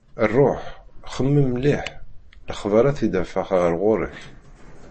Ruḥ! Xemmem mliḥ, lexbar ad t-id-afeɣ ɣer ɣur-k.